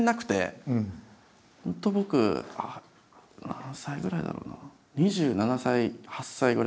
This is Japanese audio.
本当僕何歳ぐらいだろうな？